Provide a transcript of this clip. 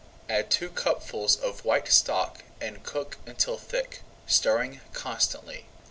Add two cupfuls of white stock and cook until thick, stirring constantly.